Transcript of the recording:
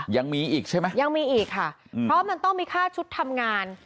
ยังมีอีกใช่ไหมยังมีอีกค่ะเพราะมันต้องมีค่าชุดทำงาน